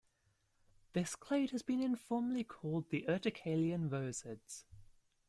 This clade has been informally called the urticalean rosids.